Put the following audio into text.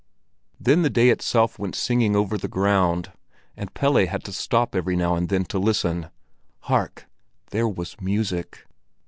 Then the day itself went singing over the ground, and Pelle had to stop every now and then to listen. Hark! there was music!